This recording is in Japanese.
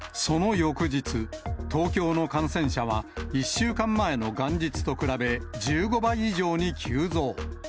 その翌日、東京の感染者は、１週間前の元日と比べ、１５倍以上に急増。